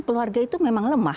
keluarga itu memang lemah